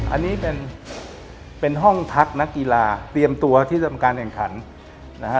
อันนี้เป็นเป็นห้องพักนักกีฬาเตรียมตัวที่จะทำการแข่งขันนะฮะ